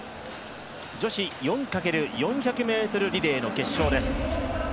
女子４×４００ｍリレーの決勝です。